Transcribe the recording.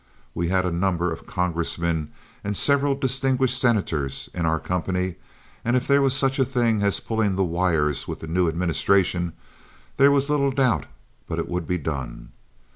We had a number of congressmen and several distinguished senators in our company, and if there was such a thing as pulling the wires with the new administration, there was little doubt but it would be done.